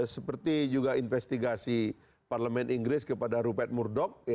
seperti juga investigasi parlemen inggris kepada rupet murdog